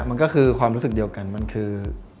มันก็คือความรู้สึกเดียวกันมันคือ